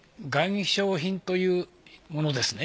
玩賞品というものですね。